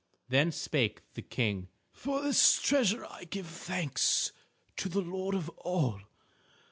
Then spake the King: "For this treasure I give thanks to the Lord of All.